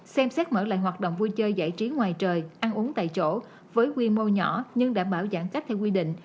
xem xét mở lại hoạt động vui chơi giải trí ngoài trời ăn uống tại chỗ với quy mô nhỏ nhưng đảm bảo giãn cách theo quy định